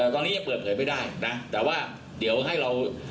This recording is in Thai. ตอนนี้ยังเปิดเผยไม่ได้นะแต่ว่าเดี๋ยวให้เรา